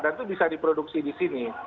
itu bisa diproduksi di sini